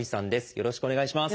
よろしくお願いします。